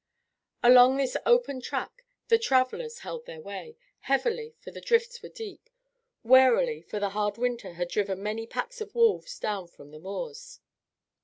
Along this open track the travellers held their way, heavily, for the drifts were deep; warily, for the hard winter had driven many packs of wolves down from the moors.